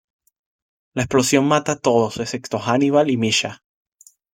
La explosión mata a todos, excepto Hannibal y Mischa.